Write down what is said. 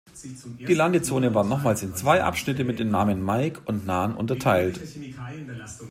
Die Landezone war nochmals in zwei Abschnitte mit den Namen "Mike" und "Nan" unterteilt.